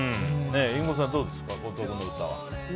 リンゴさん、どうですか後藤君の歌は。